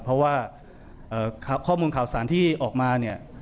เพราะว่าข้อมูลข่าวสารที่ออกมาเนี่ย